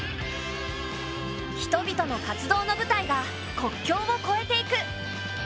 人々の活動の舞台が国境をこえていく。